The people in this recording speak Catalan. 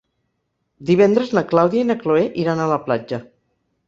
Divendres na Clàudia i na Cloè iran a la platja.